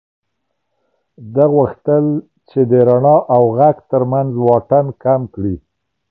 ده غوښتل چې د رڼا او غږ تر منځ واټن کم کړي.